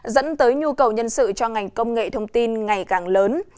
dẫn tới nhu cầu nhân sự cho ngành công nghệ thông tin ngày càng lớn